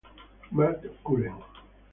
Matt Cullen